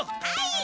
はい！